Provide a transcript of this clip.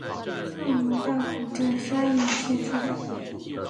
萨摩大口站山野线车站。